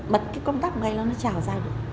bật cái công tắc này nó trào ra được